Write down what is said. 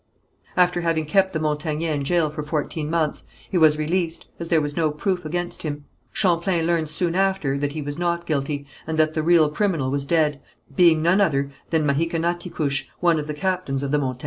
After having kept the Montagnais in jail for fourteen months he was released, as there was no proof against him. Champlain learned soon after that he was not guilty, and that the real criminal was dead, being none other than Mahicanaticouche, one of the captains of the Montagnais.